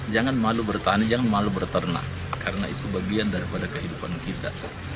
jangan malu bertani jangan malu berternak karena itu bagian daripada kehidupan kita